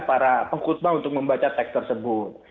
para penghutbah untuk membaca teks tersebut